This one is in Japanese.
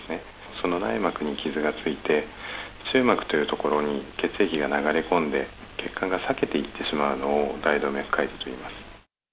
その内膜に傷がついて、中膜という所に血液が流れ込んで、血管が避けていってしまうのを大動脈解離といいます。